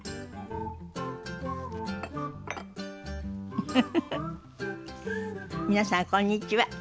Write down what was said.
フフフフ皆さんこんにちは。